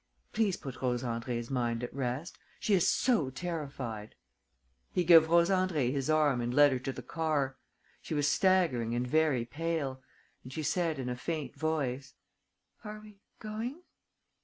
Please put Rose Andrée's mind at rest. She is so terrified!" He gave Rose Andrée his arm and led her to the car. She was staggering and very pale; and she said, in a faint voice: "Are we going?